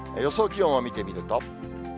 気温を見てみると。